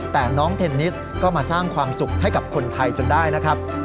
แต่น้องเทนนิสก็มาสร้างความสุขให้กับคนไทยจนได้นะครับ